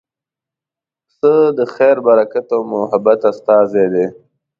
پسه د خیر، برکت او محبت استازی دی.